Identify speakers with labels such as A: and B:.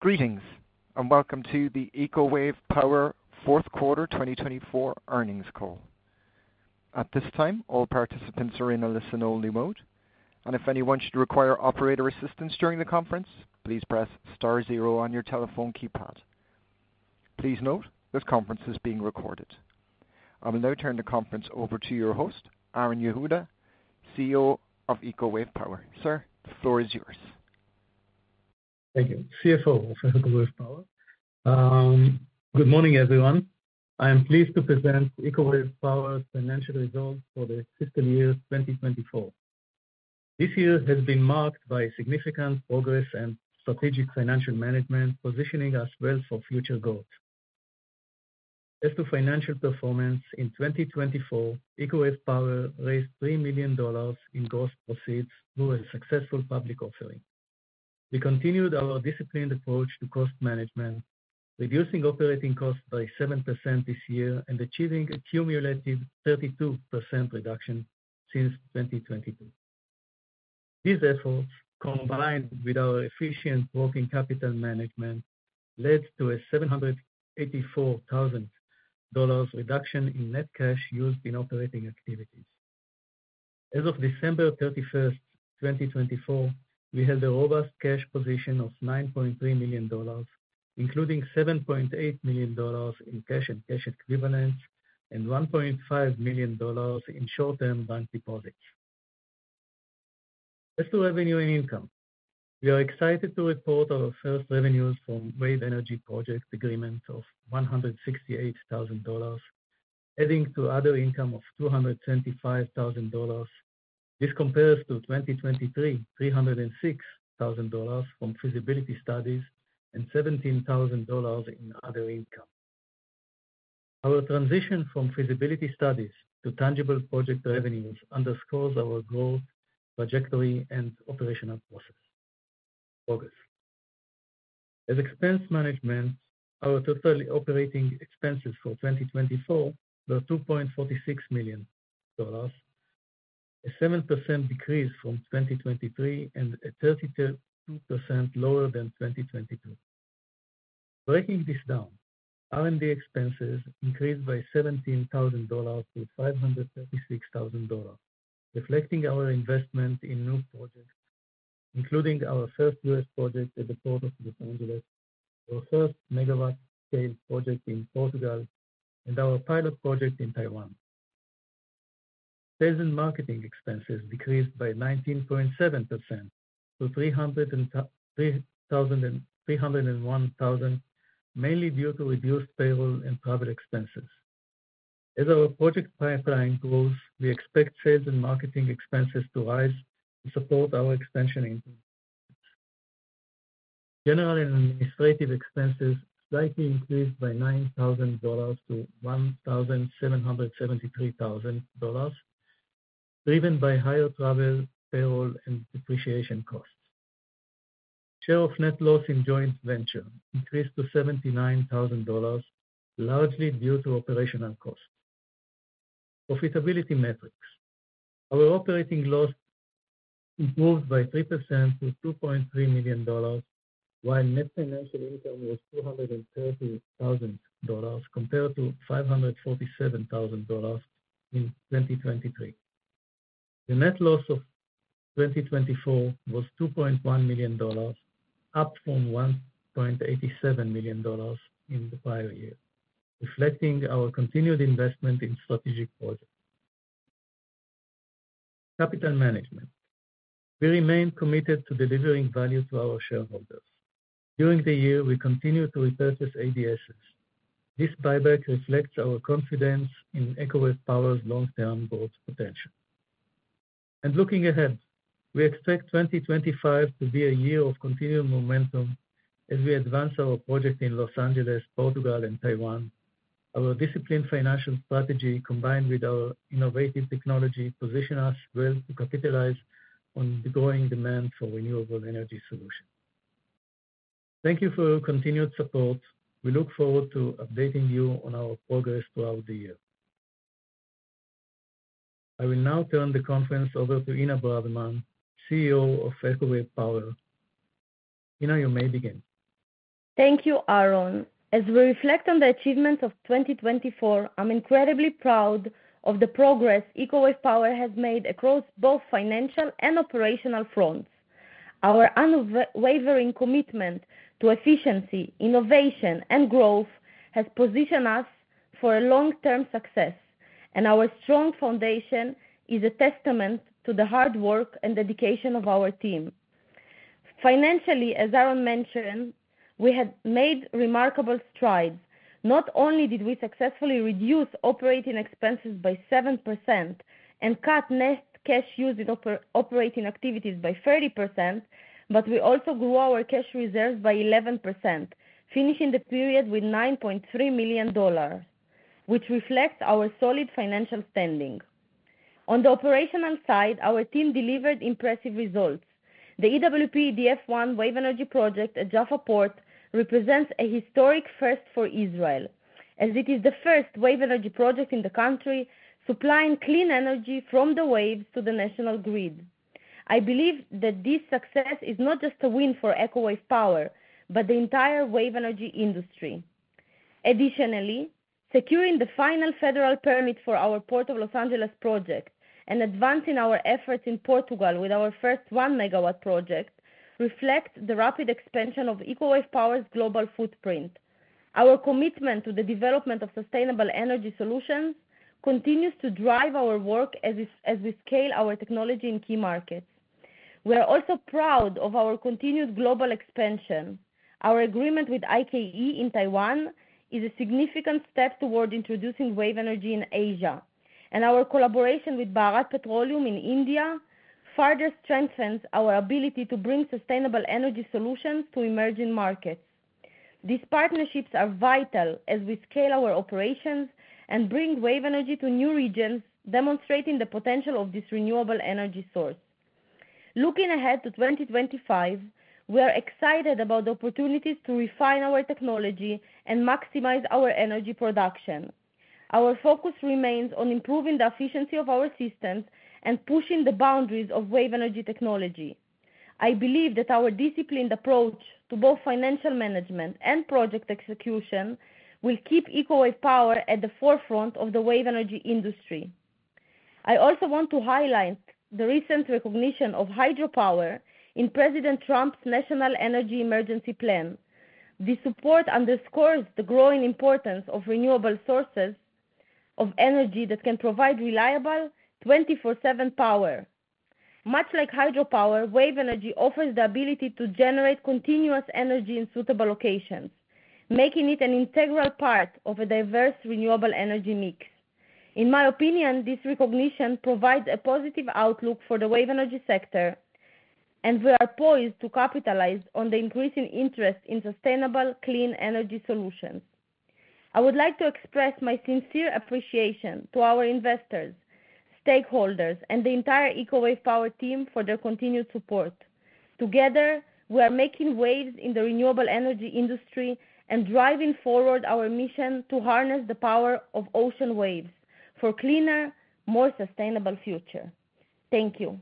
A: Greetings, and welcome to the Eco Wave Power fourth quarter 2024 earnings call. At this time, all participants are in a listen-only mode, and if anyone should require operator assistance during the conference, please press star zero on your telephone keypad. Please note this conference is being recorded. I will now turn the conference over to your host, Aharon Yehuda, CEO of Eco Wave Power. Sir, the floor is yours.
B: Thank you. CFO of Eco Wave Power. Good morning, everyone. I am pleased to present Eco Wave Power's financial results for the fiscal year 2024. This year has been marked by significant progress and strategic financial management, positioning us well for future growth. As to financial performance in 2024, Eco Wave Power raised $3 million in gross proceeds through a successful public offering. We continued our disciplined approach to cost management, reducing operating costs by 7% this year and achieving a cumulative 32% reduction since 2022. These efforts, combined with our efficient working capital management, led to a $784,000 reduction in net cash used in operating activities. As of December 31, 2024, we held a robust cash position of $9.3 million, including $7.8 million in cash and cash equivalents, and $1.5 million in short-term bank deposits. As to revenue and income, we are excited to report our first revenues from wave energy project agreements of $168,000, adding to other income of $225,000. This compares to 2023's $306,000 from feasibility studies and $17,000 in other income. Our transition from feasibility studies to tangible project revenues underscores our growth trajectory and operational process. As expense management, our total operating expenses for 2024 were $2.46 million, a 7% decrease from 2023 and 32% lower than 2022. Breaking this down, R&D expenses increased by $17,000 to $536,000, reflecting our investment in new projects, including our first US project at the Port of Los Angeles, our first megawatt-scale project in Portugal, and our pilot project in Taiwan. Sales and marketing expenses decreased by 19.7% to $301,000, mainly due to reduced payroll and travel expenses. As our project pipeline grows, we expect sales and marketing expenses to rise to support our expansion in general and administrative expenses, slightly increased by $9,000 to $1,773,000, driven by higher travel, payroll, and depreciation costs. Share of net loss in joint venture increased to $79,000, largely due to operational costs. Profitability metrics: our operating loss improved by 3% to $2.3 million, while net financial income was $230,000 compared to $547,000 in 2023. The net loss of 2024 was $2.1 million, up from $1.87 million in the prior year, reflecting our continued investment in strategic projects. Capital management: we remain committed to delivering value to our shareholders. During the year, we continue to repurchase ADSs. This buyback reflects our confidence in Eco Wave Power's long-term growth potential. Looking ahead, we expect 2025 to be a year of continued momentum as we advance our project in Los Angeles, Portugal, and Taiwan. Our disciplined financial strategy, combined with our innovative technology, positions us well to capitalize on the growing demand for renewable energy solutions. Thank you for your continued support. We look forward to updating you on our progress throughout the year. I will now turn the conference over to Inna Braverman, CEO of Eco Wave Power. Inna, you may begin.
C: Thank you, Aharon. As we reflect on the achievements of 2024, I'm incredibly proud of the progress Eco Wave Power has made across both financial and operational fronts. Our unwavering commitment to efficiency, innovation, and growth has positioned us for long-term success, and our strong foundation is a testament to the hard work and dedication of our team. Financially, as Aharon mentioned, we have made remarkable strides. Not only did we successfully reduce operating expenses by 7% and cut net cash use in operating activities by 30%, but we also grew our cash reserves by 11%, finishing the period with $9.3 million, which reflects our solid financial standing. On the operational side, our team delivered impressive results. The EWP-EDF One wave energy project at Jaffa Port represents a historic first for Israel, as it is the first wave energy project in the country supplying clean energy from the waves to the national grid. I believe that this success is not just a win for Eco Wave Power, but the entire wave energy industry. Additionally, securing the final federal permit for our Port of Los Angeles project and advancing our efforts in Portugal with our first one megawatt project reflects the rapid expansion of Eco Wave Power's global footprint. Our commitment to the development of sustainable energy solutions continues to drive our work as we scale our technology in key markets. We are also proud of our continued global expansion. Our agreement with I-Ke in Taiwan is a significant step toward introducing wave energy in Asia, and our collaboration with Bharat Petroleum in India further strengthens our ability to bring sustainable energy solutions to emerging markets. These partnerships are vital as we scale our operations and bring wave energy to new regions, demonstrating the potential of this renewable energy source. Looking ahead to 2025, we are excited about opportunities to refine our technology and maximize our energy production. Our focus remains on improving the efficiency of our systems and pushing the boundaries of wave energy technology. I believe that our disciplined approach to both financial management and project execution will keep Eco Wave Power at the forefront of the wave energy industry. I also want to highlight the recent recognition of hydropower in President Trump's National Energy Emergency Plan. This support underscores the growing importance of renewable sources of energy that can provide reliable 24/7 power. Much like hydropower, wave energy offers the ability to generate continuous energy in suitable locations, making it an integral part of a diverse renewable energy mix. In my opinion, this recognition provides a positive outlook for the wave energy sector, and we are poised to capitalize on the increasing interest in sustainable, clean energy solutions. I would like to express my sincere appreciation to our investors, stakeholders, and the entire Eco Wave Power team for their continued support. Together, we are making waves in the renewable energy industry and driving forward our mission to harness the power of ocean waves for a cleaner, more sustainable future. Thank you.